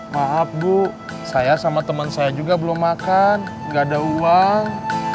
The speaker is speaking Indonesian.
maaf bu saya sama teman saya juga belum makan nggak ada uang